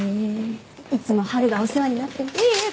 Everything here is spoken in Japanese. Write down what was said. いつも春がお世話になってます。